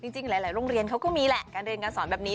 จริงหลายโรงเรียนเขาก็มีแหละการเรียนการสอนแบบนี้